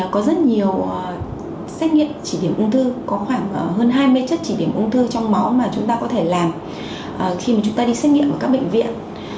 có rất nhiều xét nghiệm chỉ điểm ung thư có khoảng hơn hai mươi chất chỉ điểm ung thư trong máu mà chúng ta có thể làm khi mà chúng ta đi xét nghiệm ở các bệnh viện